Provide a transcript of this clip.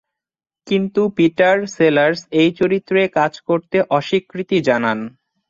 কিন্তু Peter Sellers এই চরিত্রে কাজ করতে অস্বীকৃতি জানান।